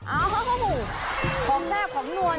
อ้าวพร้อมแน่บพร้อมนวล